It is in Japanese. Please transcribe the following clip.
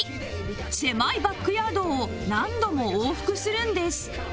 狭いバックヤードを何度も往復するんです